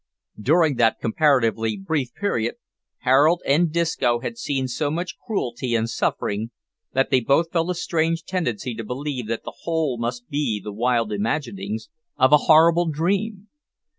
During that comparatively brief period, Harold and Disco had seen so much cruelty and suffering that they both felt a strange tendency to believe that the whole must be the wild imaginings of a horrible dream.